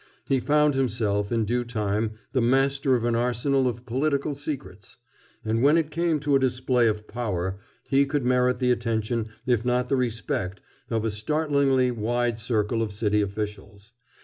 He found himself, in due time, the master of an arsenal of political secrets. And when it came to a display of power he could merit the attention if not the respect of a startlingly wide circle of city officials.